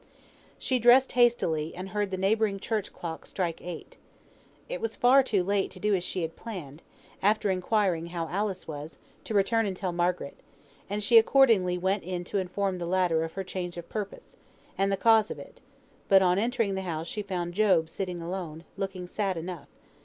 She dressed hastily, and heard the neighbouring church clock strike eight. It was far too late to do as she had planned (after inquiring how Alice was, to return and tell Margaret), and she accordingly went in to inform the latter of her change of purpose, and the cause of it; but on entering the house she found Job sitting alone, looking sad enough.